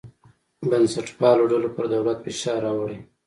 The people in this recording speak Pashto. بنسټپالو ډلو پر دولت فشار راوړی.